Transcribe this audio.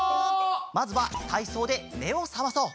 まずはたいそうでめをさまそう。